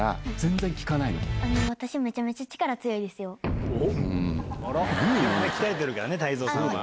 体鍛えてるからね泰造さんは。